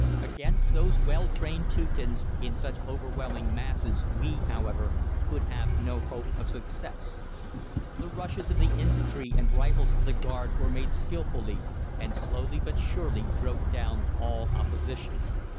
Against those well trained Teutons in such overwhelming masses we, however, could have no hope of success. The rushes of the infantry and rifles of the Guards were made skilfully, and slowly but surely broke down all opposition.